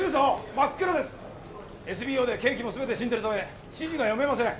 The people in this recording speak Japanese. ＳＢＯで計器も全て死んでるため指示が読めません。